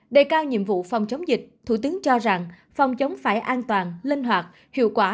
đề cao nhiệm vụ phòng chống dịch thủ tướng cho rằng phòng chống phải an toàn linh hoạt hiệu quả